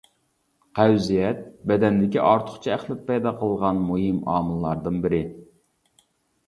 قەۋزىيەت بەدەندىكى ئارتۇقچە ئەخلەت پەيدا قىلىدىغان مۇھىم ئامىللاردىن بېرى.